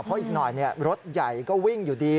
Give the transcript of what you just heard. เพราะอีกหน่อยรถใหญ่ก็วิ่งอยู่ดี